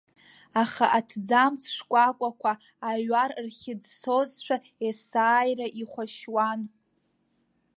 Аха аҭӡамц шкәакәақәа аҩар рхьыӡсозшәа, есааира ихәашьуан.